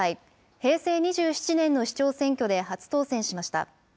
平成２７年の市長選挙で初当選しました。